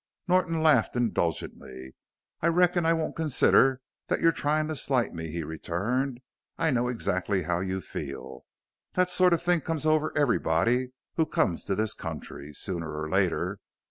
Norton laughed indulgently. "I reckon I won't consider that you're trying to slight me," he returned. "I know exactly how you feel; that sort of thing comes over everybody who comes to this country sooner or later.